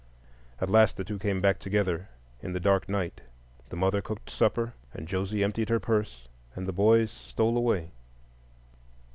At last the two came back together in the dark night. The mother cooked supper, and Josie emptied her purse, and the boys stole away.